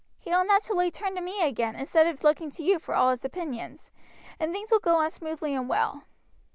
He will naturally turn to me again instead of looking to you for all his opinions, and things will go on smoothly and well."